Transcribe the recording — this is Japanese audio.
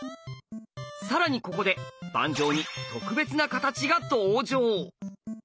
更にここで盤上に特別な形が登場。